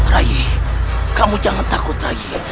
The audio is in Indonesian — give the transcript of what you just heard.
rayi kamu jangan takut rayi